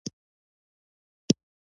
چرګان د خپل ساحې ساتنه کوي.